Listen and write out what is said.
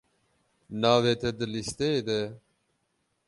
Navê te di lîsteyê de ye?